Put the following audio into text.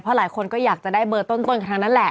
เพราะหลายคนก็อยากจะได้เบอร์ต้นของทั้งนั้นแหละ